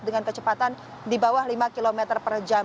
dengan kecepatan di bawah lima km per jam